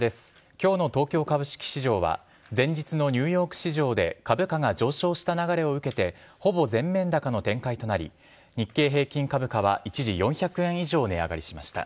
きょうの東京株式市場は、前日のニューヨーク市場で株価が上昇した流れを受けて、ほぼ全面高の展開となり、日経平均株価は一時４００円以上値上がりしました。